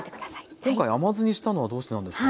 今回甘酢にしたのはどうしてなんですか？